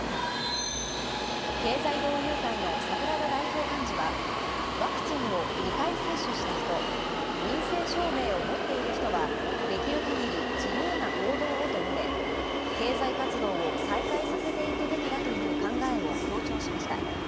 経済同友会の櫻田代表幹事は、ワクチンを２回接種した人、陰性証明を持っている人はできるかぎり自由な行動をと述べ、経済活動を再開させていくべきだという考えを強調しました。